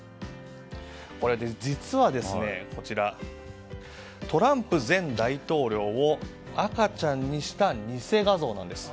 これ、実はトランプ前大統領を赤ちゃんにした偽画像なんです。